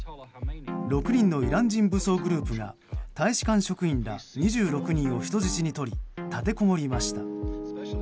６人のイラン人武装グループが大使館職員ら２６人を人質に取り、立てこもりました。